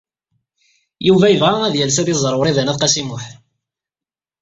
Yuba yebɣa ad yales ad iẓer Wrida n At Qasi Muḥ.